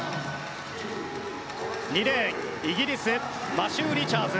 ２レーン、イギリスマシュー・リチャーズ。